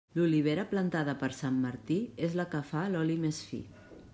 L'olivera plantada per Sant Martí és la que fa l'oli més fi.